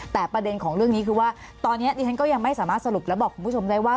แต่ประเด็นของเรื่องนี้คือว่าตอนนี้ดิฉันก็ยังไม่สามารถสรุปและบอกคุณผู้ชมได้ว่า